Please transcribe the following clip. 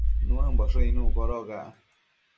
Nuëmboshë icnuc codoca